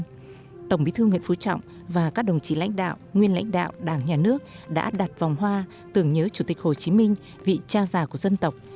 tổng bí thư nguyễn phú trọng và các đồng chí lãnh đạo nguyên lãnh đạo đảng nhà nước đã đặt vòng hoa tưởng nhớ chủ tịch hồ chí minh vị cha già của dân tộc